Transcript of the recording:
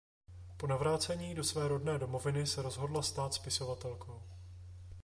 Po navrácení do své rodné domoviny se rozhodla stát spisovatelkou.